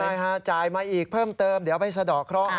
ใช่ค่ะจ่ายมาอีกเพิ่มเติมเดี๋ยวไปสะดอกเคราะห